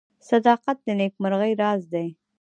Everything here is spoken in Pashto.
• صداقت د نیکمرغۍ راز دی.